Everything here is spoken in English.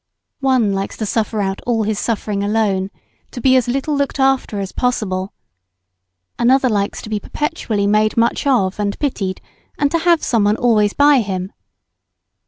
One likes to suffer out all his suffering alone, to be as little looked after as possible. Another likes to be perpetually made much of and pitied, and to have some one always by him.